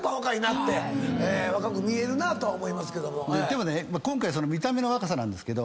でもね今回見た目の若さなんですけど。